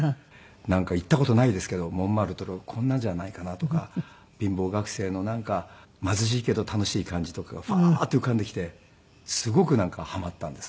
なんか行った事ないですけどモンマルトルこんなんじゃないかなとか貧乏学生のなんか貧しいけど楽しい感じとかがファーッて浮かんできてすごくなんかハマったんです。